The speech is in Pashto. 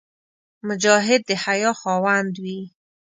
مجاهد د حیا خاوند وي.